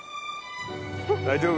大丈夫？